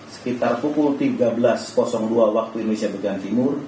sekitar pukul tiga belas dua waktu indonesia bagian timur